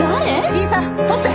リーさん撮って！